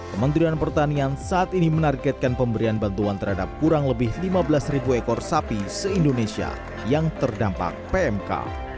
kementerian pertanian saat ini menargetkan pemberian bantuan terhadap kurang lebih lima belas ekor sapi se indonesia yang terdampak pmk